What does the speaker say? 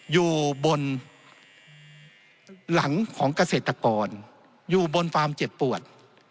อยู่บนหลังของเกษตรกรอยู่บนความเจ็บปวด